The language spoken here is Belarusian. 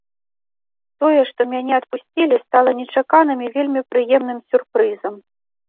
Тое, што мяне адпусцілі, стала нечаканым і вельмі прыемным сюрпрызам.